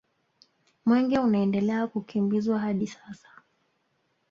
Mwenge unaendelea kukimbizwa hadi sasa